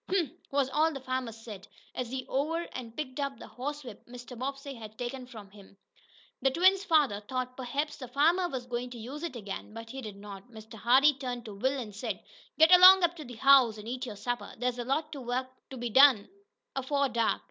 "Humph!" was all the farmer said, as he over and picked up the horsewhip Mr. Bobbsey had taken from him. The twins' father thought perhaps the farmer was going to use it again, but he did not. Mr. Hardee turned to Will and said: "Get along up to the house, and eat your supper! There's lots o' work to be done afore dark.